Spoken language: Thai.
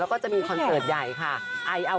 แล้วก็จะมีคอนเสิร์ตใหญ่ค่ะ